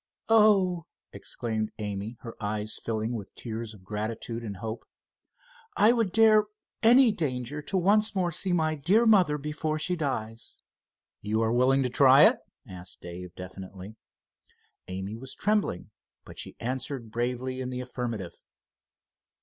"Oh," exclaimed Amy, her eyes filling with tears of gratitude and hope, "I would dare any danger to once more see my dear mother before she dies." "You are willing to try it?" asked Dave, definitely. Amy was trembling, but she answered bravely in the affirmative.